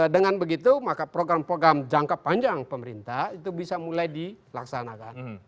dengan begitu maka program program jangka panjang pemerintah itu bisa mulai dilaksanakan